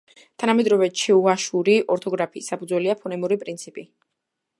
თანამედროვე ჩუვაშური ორთოგრაფიის საფუძველია ფონემური პრინციპი.